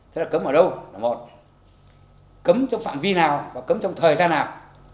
thế là cấm ở đâu là một cấm trong phạm vi nào và cấm trong thời gian nào